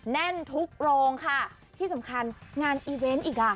แน่นทุกโรงค่ะที่สำคัญงานอีเวนต์อีกอ่ะ